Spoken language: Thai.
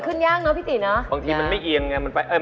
ของพี่แค่อันเดียว